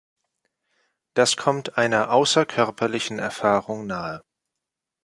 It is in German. Das kommt einer außerkörperlichen Erfahrung nahe.